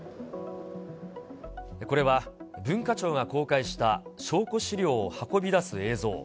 これは文化庁が公開した証拠資料を運び出す映像。